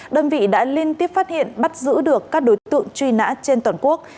đơn vị đã liên tiếp phát hiện bắt giữ được các đối tượng truy nã trên toàn quốc